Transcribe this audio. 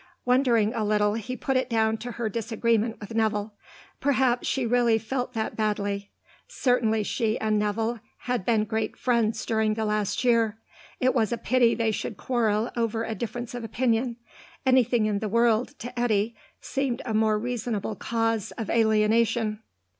Wondering a little, he put it down to her disagreement with Nevill. Perhaps she really felt that badly. Certainly she and Nevill had been great friends during the last year. It was a pity they should quarrel over a difference of opinion; anything in the world, to Eddy, seemed a more reasonable cause of alienation.